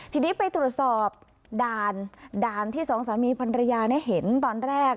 ทีนี้ไปตรวจสอบด่านด่านที่สองสามีพันรยาเห็นตอนแรก